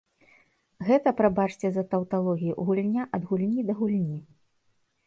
Гэта, прабачце за таўталогію, гульня ад гульні да гульні.